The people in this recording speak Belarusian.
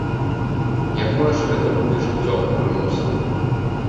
Якое ж гэта будзе жыццё пад прымусам?